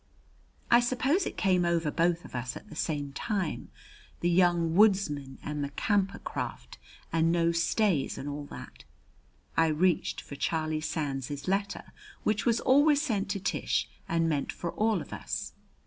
I suppose it came over both of us at the same time the "Young Woodsman," and the "Camper Craft," and no stays, and all that. I reached for Charlie Sands's letter, which was always sent to Tish and meant for all of us.